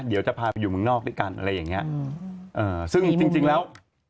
เดี๋ยวจะพาไปอยู่เมืองนอกด้วยกันอะไรอย่างเงี้ยเอ่อซึ่งจริงจริงแล้ว